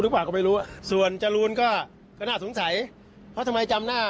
หรือเปล่าก็ไม่รู้ส่วนจรูนก็น่าสงสัยเพราะทำไมจำหน้า